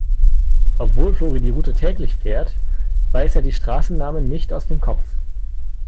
Obwohl Flori die Route täglich fährt, weiß er die Straßennamen nicht aus dem Kopf.